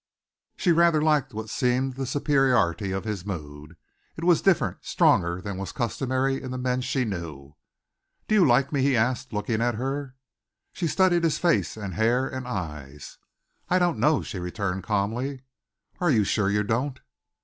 She rather liked what seemed the superiority of his mood. It was different, stronger than was customary in the men she knew. "Do you like me?" he asked, looking at her. She studied his face and hair and eyes. "I don't know," she returned calmly. "Are you sure you don't?"